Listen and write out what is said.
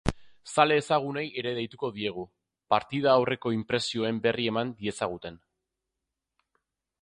Zale ezagunei ere deituko diegu, partida aurreko inpresioen berri eman diezaguten.